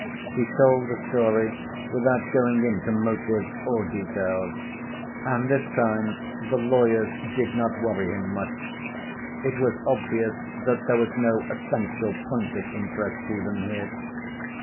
He told the story without going into motives or details. And this time the lawyers did not worry him much. It was obvious that there was no essential point of interest to them here.